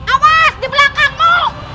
awas di belakangmu